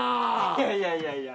いやいやいやいや。